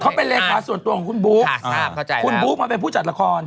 เขาเป็นรายการส่วนตัวของคุณบรู๊ค